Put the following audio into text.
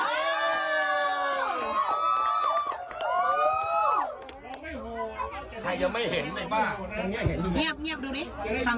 ใครจะไม่เห็นไหมบ้าง